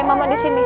eh mama disini